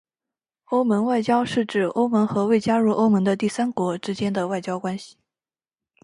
欧盟外交是指欧盟和未加入欧盟的第三国之间的外交关系。